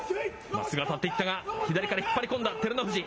まっすぐ当たっていったが、左から引っ張り込んだ、照ノ富士。